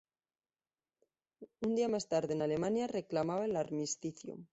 Un día más tarde Alemania reclamaba el armisticio.